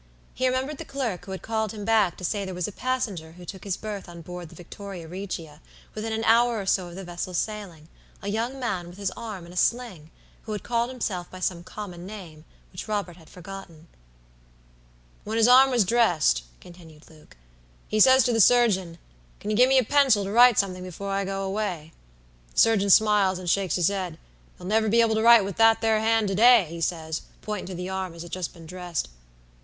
He remembered the clerk who had called him back to say there was a passenger who took his berth on board the Victoria Regia within an hour or so of the vessel's sailing; a young man with his arm in a sling, who had called himself by some common name, which Robert had forgotten. "When his arm was dressed," continued Luke, "he says to the surgeon, 'Can you give me a pencil to write something before I go away?' The surgeon smiles and shakes his head: 'You'll never be able to write with that there hand to day,' he says, pointin' to the arm as had just been dressed.